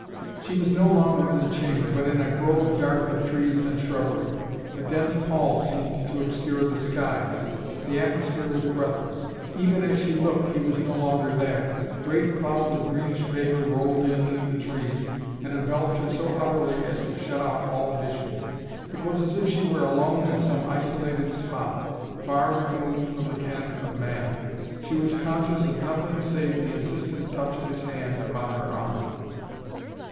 She was no longer in the chamber, but in a grove dark with trees and shrubbery. A dense pall seemed to obscure the skies. The atmosphere was breathless. Even as she looked he was no longer there. Great clouds of greenish vapor rolled in through the trees and enveloped her so utterly as to shut out all vision. It was as if she were alone in some isolated spot, far removed from the ken of man. She was conscious of nothing save the insistent touch of his hand upon her arm.